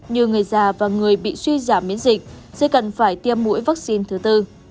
như người già và người bị suy giảm miễn dịch sẽ cần phải tiêm mũi vaccine thứ tư